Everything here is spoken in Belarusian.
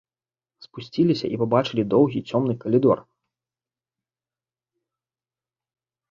Спусціліся і пабачылі доўгі цёмны калідор.